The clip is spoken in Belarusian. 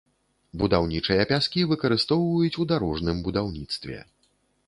Будаўнічыя пяскі выкарыстоўваюць у дарожным будаўніцтве.